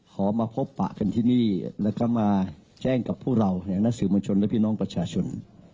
ขอมาพบปะกันที่นี่แล้วก็มาแจ้งกับพวกเรานักสื่อมวลชนและพี่น้องประชาชน